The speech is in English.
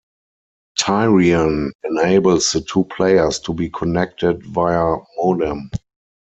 Tyrian enables the two players to be connected via modem.